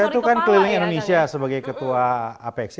saya tuh kan keliling indonesia sebagai ketua apexi